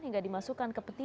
hingga dimasukkan ke peti